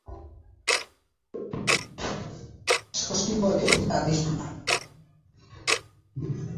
শশী বলে, কাঁদিস না।